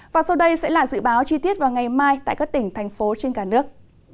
và sau đây sẽ là dự báo chi tiết vào ngày mai tại các tỉnh thành phố trên cả nước